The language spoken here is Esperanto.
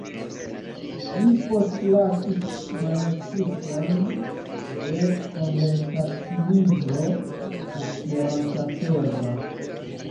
Li postlasis manuskripton de konversaci-libro Esperanta-serba.